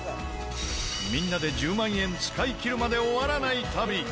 みんなで１０万円使い切るまで終わらない旅。